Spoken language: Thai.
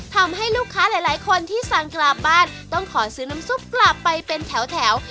ทำให้ลูกค้าหลายคนที่สั่งกลับบ้านต้องขอซื้อน้ำซุปกลับไปเป็นแถว